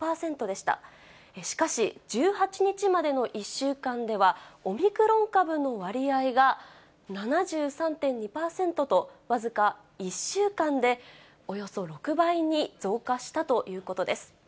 しかし、１８日までの１週間では、オミクロン株の割合が７３．２％と、僅か１週間でおよそ６倍に増加したということです。